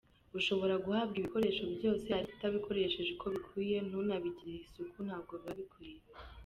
Ushobora guhabwa ibikoresho byose, ariko utabikoresheje uko bikwiye, ntunabigirire isuku, ntabwo biba bikwiye.